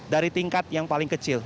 dari tingkat yang paling kecil